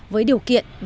với điều kiện của các bạn